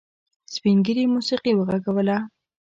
سپین ږيري موسيقي وغږوله.